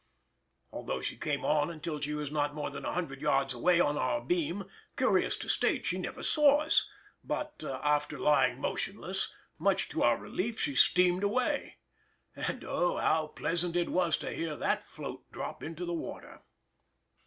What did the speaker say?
Although she came on until she was not more than a hundred yards away on our beam, curious to state she never saw us, but, after lying motionless, much to our relief she steamed away, and oh! how pleasant it was to hear that float drop into the water.